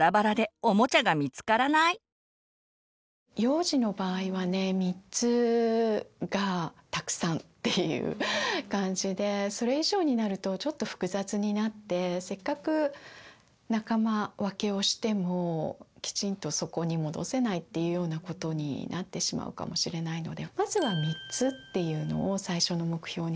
幼児の場合はね３つがたくさんっていう感じでそれ以上になるとちょっと複雑になってせっかく仲間分けをしてもきちんとそこに戻せないっていうようなことになってしまうかもしれないのでまずはこれとこれとこれ。